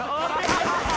ハハハ！